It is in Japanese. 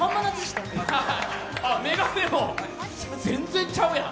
眼鏡も、全然ちゃうやん。